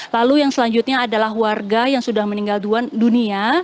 lalu yang selanjutnya adalah warga yang sudah meninggal dunia